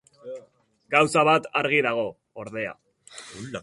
Gauza bat argi dago, ordea.